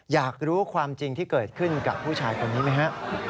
อยากรู้ความจริงที่เกิดขึ้นกับผู้ชายคนนี้ไหมฮะ